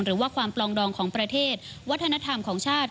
หรือว่าความปลองดองของประเทศวัฒนธรรมของชาติ